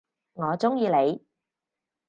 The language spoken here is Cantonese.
我中意你！